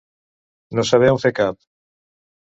No saber on fer cap.